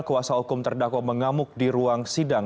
kuasa hukum terdakwa mengamuk di ruang sidang